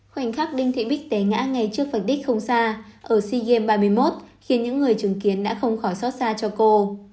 khoảnh khắc đinh thị bích tế ngã ngay trước phân tích không xa ở sea games ba mươi một khiến những người chứng kiến đã không khỏi xót xa cho cô